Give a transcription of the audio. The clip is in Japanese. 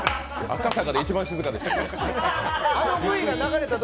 赤坂で一番静かでした。